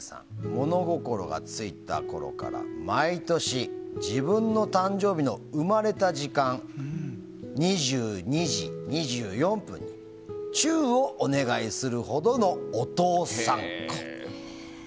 物心がついたころから、毎年自分の誕生日の生まれた時間、２２時２４分にチュウをお願いするほどのお父さんっ子。